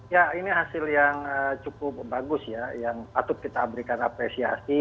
ya ini hasil yang cukup bagus ya yang patut kita berikan apresiasi